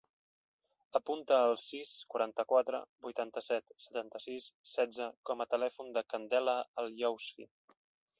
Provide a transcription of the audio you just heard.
Apunta el sis, quaranta-quatre, vuitanta-set, setanta-sis, setze com a telèfon de la Candela El Yousfi.